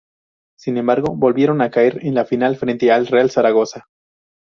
Sin embargo, volvieron a caer en la final frente al Real Zaragoza.